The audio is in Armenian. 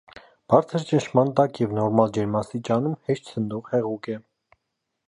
Բարձր ճնշման տակ և նորմալ ջերմաստիճանում հեշտ ցնդող հեղուկ է։